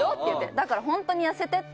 だから本当に痩せてって。